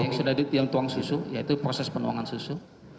yang sudah dituang susu yaitu proses penuangan susu